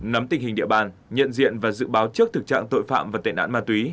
nắm tình hình địa bàn nhận diện và dự báo trước thực trạng tội phạm và tệ nạn ma túy